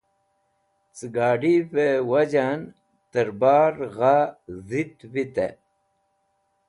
Cẽ gad̃ivẽ wajan tẽr bar gha dhit vitẽ.